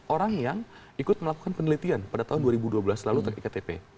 orang yang ikut melakukan penelitian pada tahun dua ribu dua belas lalu terkait ktp